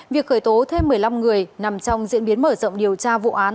việc khởi tố thêm một mươi năm người nằm trong diễn biến mở rộng điều tra vụ án